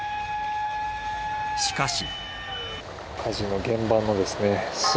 しかし。